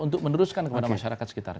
untuk meneruskan kepada masyarakat sekitar